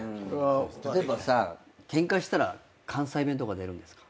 例えばさケンカしたら関西弁とか出るんですか？